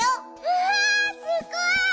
わあすごい！